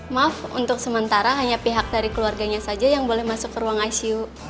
maaf untuk sementara hanya pihak dari keluarganya saja yang boleh masuk ke ruang icu